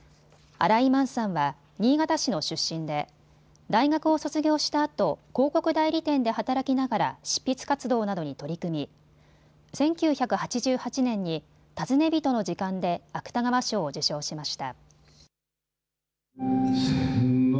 新井満さんは新潟市の出身で大学を卒業したあと広告代理店で働きながら執筆活動などに取り組み１９８８年に尋ね人の時間で芥川賞を受賞しました。